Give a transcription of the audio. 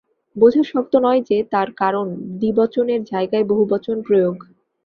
বোঝা শক্ত নয় যে, তার কারণ দ্বিবচনের জায়গায় বহুবচন প্রয়োগ।